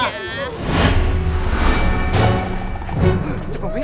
di situ mana ya